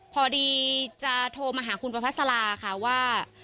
พอดีจะโทรมาหาคุณประพัสลาค่ะว่า